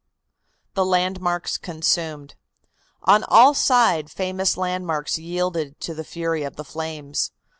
THE LANDMARKS CONSUMED. On all sides famous landmarks yielded to the fury of the flames.